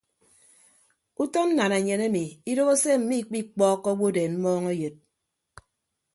Utọ nnananyen emi idoho se mmikpikpọọkọ owodeen mmọọñ eyod.